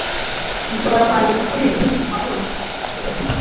Nshobora kwandika kuriyi mpapuro?